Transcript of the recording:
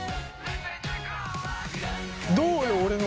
どうよ俺の。